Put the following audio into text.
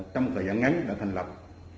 trong một thời gian ngắn đã thành lập